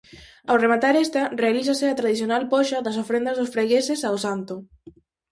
Ao rematar esta, realízase a tradicional poxa das ofrendas dos fregueses ao santo.